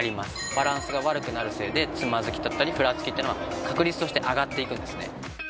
バランスが悪くなるせいでつまずきだったりふらつきってのは確率として上がっていくんですね。